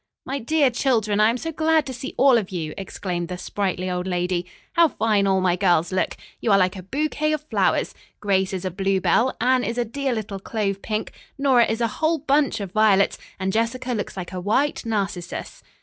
"My dear children, I am so glad to see all of you!" exclaimed the sprightly old lady. "How fine all my girls look. You are like a bouquet of flowers. Grace is a bluebell, Anne is a dear little clove pink, Nora is a whole bunch of violets and Jessica looks like a white narcissus."